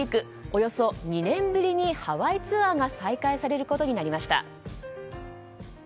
およそ２年ぶりにハワイツアーが再開されることになりました。